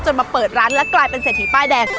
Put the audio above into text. มาเปิดร้านและกลายเป็นเศรษฐีป้ายแดง